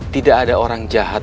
tidak ada orang jahat